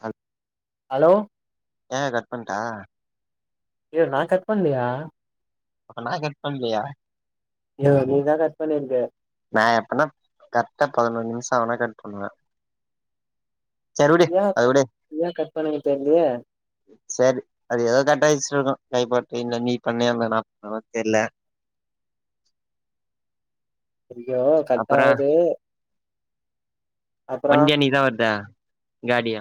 ஹல் அலோ ஏங்க கட் பண்ட்டா யோ நா கட் பண்லயா அப்ப நா கட் பண்லயா யொ நீதா கட் பண்ணிருக்க நா எப்பனா கரெக்ட்டா பதினோர் நிமிஷொ ஆனா கட் பண்ணுவ ஏ அப்ப ஏ கட் பண்ணாங்க தெர்லையே சேரி அது ஏதோ கட்டாய்ச்சிர்க்கு கைப்பட்டு இல்ல நீ பண்ணு இல்ல நா [inaudible] தெர்ல ஐயோ அப்பறோ கட்டாவுதே வண்டி என்னக்கி தா வருது காடியா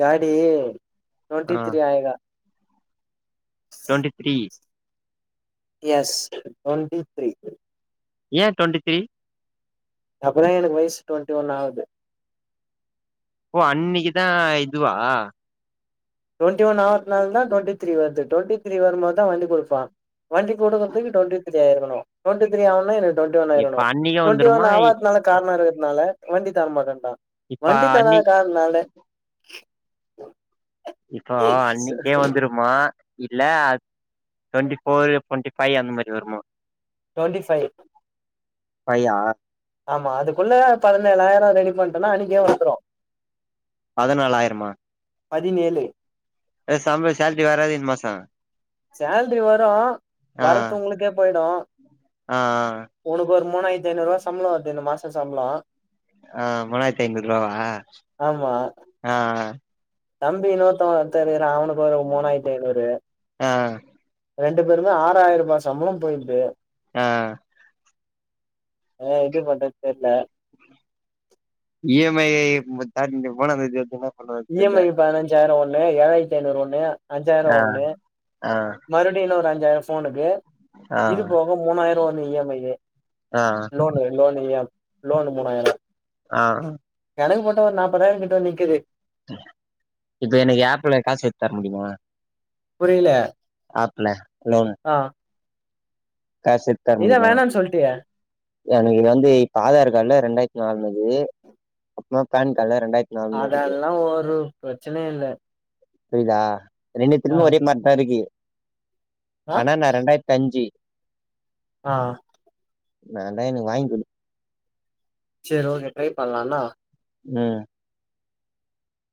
காடி ட்வொண்ட்டி ஆ த்ரி ஆயேகா twenty three yes twenty three ஏன் டுவெண்ட்டி த்ரீ அப்பதான் எனக்கு வயசு டுவெண்ட்டி ஒன் ஆகுது ஓ அன்னைக்குதான் இதுவா டுவெண்டி ஒன் அவஹனால தான் டவண்டி தரீ வருது டுவண்ட்ட தரீ வரும்போதான் வண்டி கொடுப்பான் வண்டி கொடுக்கறக்கு டுவெண்டி த்ீயிருக்கும் டுவெி தரீ ஆனா என டுவென்டி ஒன் இப்ப இருக்கணும் அன்னைக்கே டுவென்டி வந்துருமா ஒன் ஆகாத காரணம் இருக்குறதுநால வண்டி தரமாட்டன்டாங்க இப்ப வண்டி அன்னி தானாக்காரனால இப்போ அன்னைக்கே வந்துருமா இல்ல டுவென்டி போர் டுவென்டி ஃபைவ் அந்த மாதிரி வருமா டுவென்டி ஃபைவ் பையா ஆமாாம் அதுக்குள்ள அது அதுக்குள்ள பதினேழாயிரம் ரெடி பண்ணிட்டேனா அன்னைக்கே வந்துடும் பதினாலாயிரமா பதினேழு பேசாம சாலரி வராதுன்ன இந்த மாசம் சேல்ரி வரும் வரது உங்களுக்கே போயிடும் ஆ உனக்கு ஒரு மூணாயிரத்திஐநூறுூபா சம்பளம் வருது இந்த மாசம் சம்பளம் ஆஹ் மூணாயிறது ஐநூறு ரூபாவா ஆமா ஆஹ் தம்பி நூத்த தெரியற அவனுக்கு ஒரு மூணாயிரத்தி ஐந்நூறு ஆ ரெண்டு பேருமே ஆறாயிரம் ரூபா சம்பளம் போயிடுது ஆஹ் என்கிட்ட பத்து வாட்டி கேட்ட இஎம்ஐ [unintelligible] இஎம்ஐ பதினஞ்சாயிரம் ஒண்ணு ஏழாயிரத்தி ஐநூறு ஒண்ணு ஆ அஞ்சாயிரம் ஒண்ணு, ஆ மறுபடியும் இன்னொரு அஞ்சாயிரம் போனுக்கு ஆ இது போக மூணாயிரம் ஒரு இஎம்ஐ, ஆ லோனு லோன் லோன் மூணாயிரம் ஆஹ்ஹ் கணக்கு போட்டா ஒரு நாற்பதாயிரம் கிட்டு வந்து நிக்குது இப்ப எனக்கு ஆப்பிள காசு எத்து தர முடியுமா புரியல மாப்பிள்ளை இன்னொன்னு காசு எத்தனை நீதா முடியுமா வேணான்னு சொல்ட்டியே எனக்கு வந்து இப்ப ஆதார் கார்டுல ரெண்டாயிரத்தி நாலு, அப்புறமா பான் கார்டுல ரெண்டாயிரத்தி நாலுனு இருக்கு அதெல்லாம் ஒரு பிரச்சனையும் இல்லை புரியுதா ரெண்டுத்துக்கும் ஒரே பார்டா இருக்கு ஆனாண்ணா ரெண்டாயிரத்தி அஞ்சு ஆஹ் வேணும்னா எனக்கு வாங்கிக்குடு சரி ஓகே டிரை பண்ணலாம்னா ஆ உம்